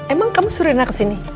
emang kamu suruh reina kesini